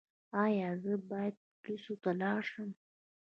ایا زه باید پولیسو ته لاړ شم؟